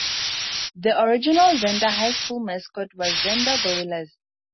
The original Zenda High School mascot was Zenda Gorillas.